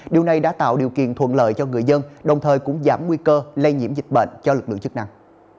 điều này đã tạo điều kiện thuận lợi cho người dân đồng thời cũng giảm nguy cơ lây nhiễm dịch bệnh cho lực lượng chức năng